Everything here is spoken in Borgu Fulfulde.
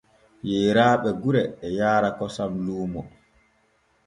Yeeraaɓe gure e yaara kosam luumo.